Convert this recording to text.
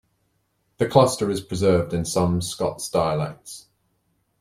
The cluster is preserved in some Scots dialects.